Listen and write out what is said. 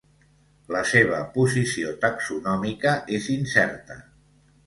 La seva posició taxonòmica és incerta.